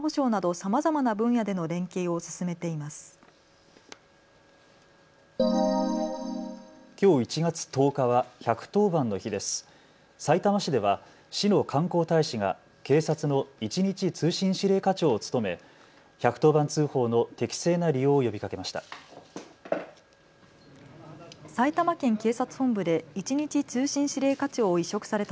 さいたま市では市の観光大使が警察の１日通信指令課長を務め１１０番通報の適正な利用を呼びかけました。